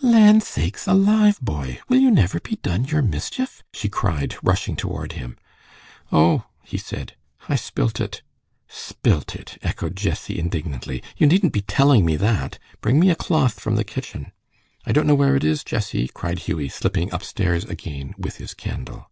"Land sakes alive, boy! Will you never be done your mischief?" she cried, rushing toward him. "Oh!" he said, "I spilt it." "Spilt it!" echoed Jessie, indignantly, "you needn't be telling me that. Bring me a cloth from the kitchen." "I don't know where it is, Jessie," cried Hughie, slipping upstairs again with his candle.